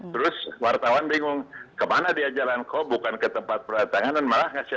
terus wartawan bingung kemana dia jalan kok bukan ke tempat penatanganan dan malah ngasih